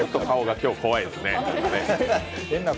顔が今日、怖いですね。